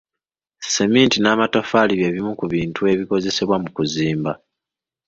Sseminti n'amatafaali by'ebimu ku bintu ebikozesebwa mu kuzimba.